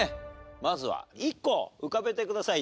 まずは１個浮かべてください